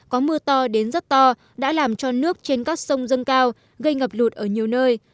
có mưa to đến rất to đã làm cho nước trên các sông dâng cao gây ngập lụt ở nhiều nơi